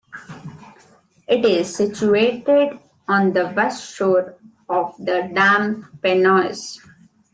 It is situated on the west shore of the dam Pineios.